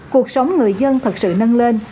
cuộc sống người dân thật sự nâng lên